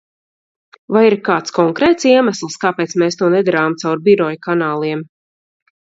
Vai ir kāds konkrēts iemesls, kāpēc mēs to nedarām caur biroja kanāliem?